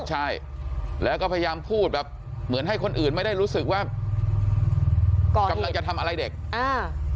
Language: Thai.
ใช่แล้วก็พยายามพูดแบบเหมือนให้คนอื่นไม่ได้รู้สึกว่าก่อนกำลังจะทำอะไรเด็กอ่า